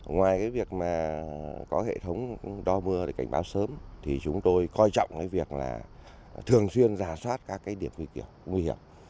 ngoài cái việc mà có hệ thống đo mưa để cảnh báo sớm thì chúng tôi coi trọng cái việc là thường xuyên giả soát các cái điểm nguy kiệu nguy hiểm